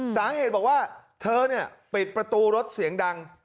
สาเหตุบอกว่าเธอเนี่ยปิดประตูรถเสียงดัง